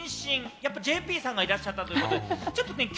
やっぱＪＰさんがいらっしゃったということで。